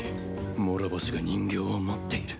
諸星が人形を持っている